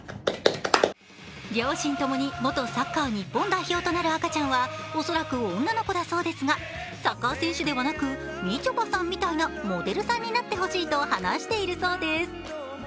両親ともに元サッカー日本代表となる赤ちゃんは恐らく女の子だそうですが、サッカー選手ではなくみちょぱさんみたいなモデルさんになってほしいと話しているそうです。